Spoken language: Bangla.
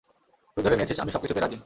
তুই ধরে নিয়েছিস আমি সবকিছুতেই রাজি।